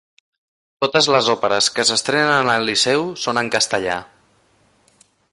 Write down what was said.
Totes les òperes que s'estrenen al Liceu són en castellà.